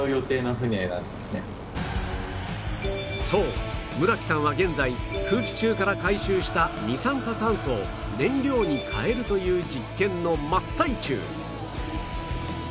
そう村木さんは現在空気中から回収した二酸化炭素を燃料に変えるという実験の真っ最中